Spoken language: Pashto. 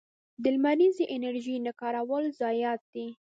د لمریزې انرژۍ نه کارول ضایعات دي.